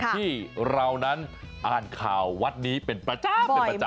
ที่เหรอนั้นอ่านค่าววัดนี้เป็นประจำ